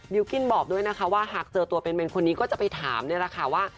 กินบอกด้วยนะคะว่าหากเจอตัวเป็นคนนี้ก็จะไปถามนี่แหละค่ะว่า